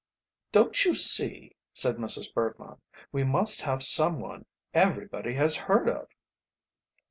"Don't you see," said Mrs. Bergmann, "we must have some one everybody has heard of?"